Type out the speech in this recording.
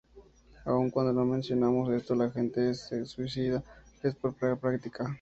Aun cuando no mencionamos esto, la gente es seducida por la práctica.